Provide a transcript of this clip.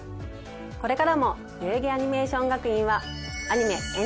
これからも代々木アニメーション学院は。